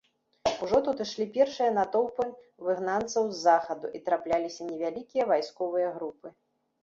Ужо тут ішлі першыя натоўпы выгнанцаў з захаду і трапляліся невялікія вайсковыя групы.